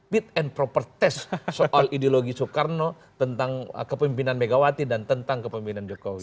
fit and proper test soal ideologi soekarno tentang kepemimpinan megawati dan tentang kepemimpinan jokowi